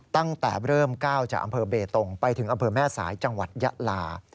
ตั้งแต่เริ่มก้าวจากอำเภอเบตงไปถึงอำเภอแม่สายจังหวัดยะลา